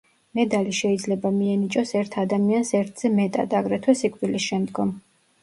მედალი შეიძლება მიენიჭოს ერთ ადამიანს ერთზე მეტად, აგრეთვე, სიკვდილის შემდგომ.